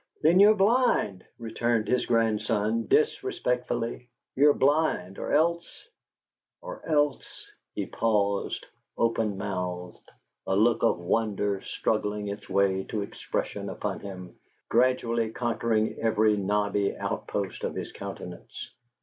"Then you're blind," returned his grandson, disrespectfully; "you're blind or else or else " He paused, open mouthed, a look of wonder struggling its way to expression upon him, gradually conquering every knobby outpost of his countenance.